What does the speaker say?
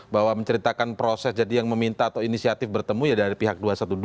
bahwa menceritakan proses jadi yang meminta atau inisiatif bertemu ya dari pihak dua ratus dua belas